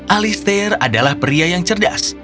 alistair adalah pria yang cerdas